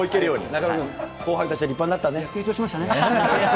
中丸君、後輩たちは立派にな成長しましたね。